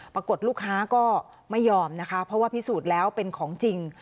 ปรากฏลูกค้าก็ไม่ยอมนะคะเพราะว่าพิสูจน์แล้วเป็นของจริง